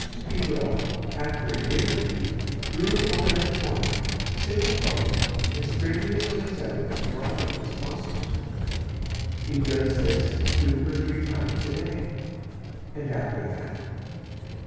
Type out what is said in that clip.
'He will, after a day or two, brood over that corner, sitting close and spreading his wings out as broadly as possible. He does this two or three times a day.' 'And after that?'